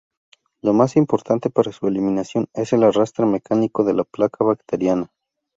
Lo más importante para su eliminación es el arrastre mecánico de la placa bacteriana.